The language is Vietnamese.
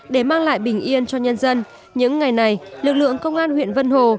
để mang lại bình yên cho nhân dân những ngày này lực lượng công an huyện vân hồ